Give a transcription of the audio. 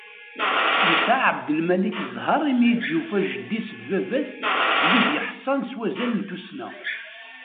Yesɛa Ɛebdelmalik ẓẓher imi i d-yufa jeddi-is d baba-s d wid yeḥṣan s wazal n tussna.